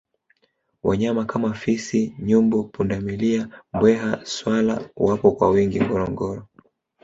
wanyama kama fisi nyumbu pundamilia mbweha swala wapo kwa wingi ngorongoro